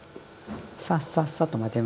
さっさっさっと混ぜます。